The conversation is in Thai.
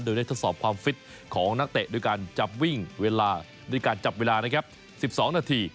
โดยได้ทดสอบความฟิตของนักเตะด้วยการจับวิ่งเวลาด้วยการจับเวลานะครับ๑๒นาที